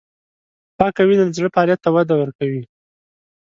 پاکه وینه د زړه فعالیت ته وده ورکوي.